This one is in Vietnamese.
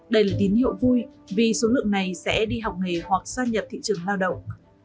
đây là tín hiệu vui vì số lượng này sẽ đi học nghề hoặc xoay nhập thị trường lao động